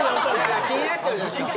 気になっちゃうじゃないですか。